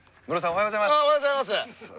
おはようございます。